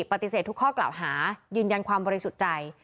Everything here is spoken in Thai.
ปฏิเสธทุกข้อกล่าวหายืนยันความบริสุทธิ์ใจ